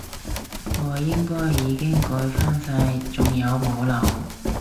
我應該已經改返晒，仲有冇漏？